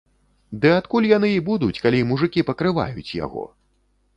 Ды адкуль яны і будуць, калі мужыкі пакрываюць яго?